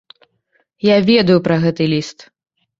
Я ведаю пра гэты ліст!